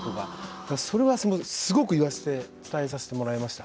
それはすごく言わせて伝えさせてもらいました。